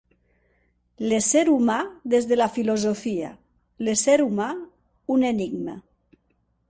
L'ésser humà des de la filosofia; l'ésser humà, un enigma